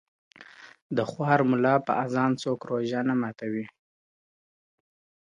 o د خوار ملا په اذان څوک روژه نه ماتوي٫